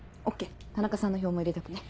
ＯＫ田中さんの票も入れとくね。